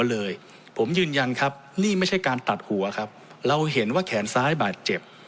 เลยผมยืนยันครับนี่ไม่ใช่การตัดหัวครับเราเห็นว่าแขนซ้ายบาดเจ็บ